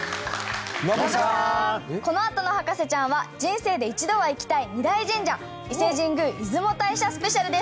このあとの『博士ちゃん』は人生で一度は行きたい２大神社伊勢神宮出雲大社スペシャルです。